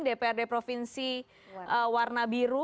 dprd provinsi warna biru